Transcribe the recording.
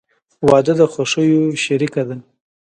• واده د خوښیو شریکه ده.